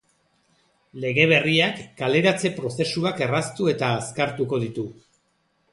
Lege berriak kaleratze-prozesuak erraztu eta azkartuko ditu.